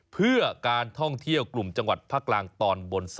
เพื่อการท่องเที่ยวกลุ่มจังหวัดภาคกลางตอนบน๓